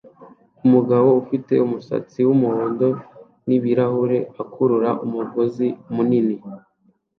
Umugabo ufite umusatsi wumuhondo n ibirahure akurura umugozi munini